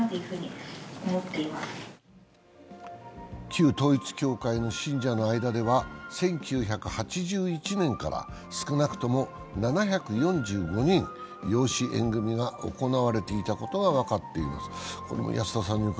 旧統一教会の信者の間では１９８１年から少なくとも７４５人、養子縁組が行われていたことが分かっています。